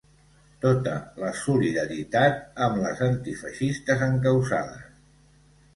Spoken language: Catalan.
Tota la solidaritat amb les antifeixistes encausades.